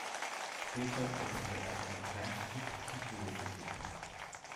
Später wechselte er von der Kernphysik zur Geophysik.